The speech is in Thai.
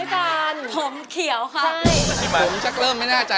เกาหลีเลยนะฮะ